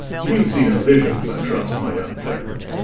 You see no visions, I trust, my young friend?"